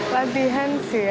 latihan sih ya